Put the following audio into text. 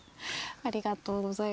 ありがとうございます。